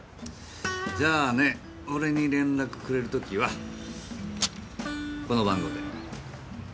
じゃあね俺に連絡くれる時はこの番号で。